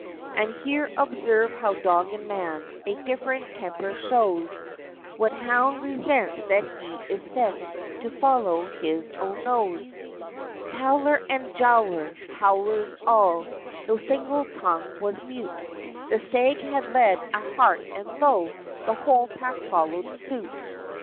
And here observe how dog and man, A different temper shows, What hound resents that he is sent To follow his own nose? Towler and Jowler howlers all, No single tongue was mute; The stag had led a hart, and lo! The whole pack followed suit.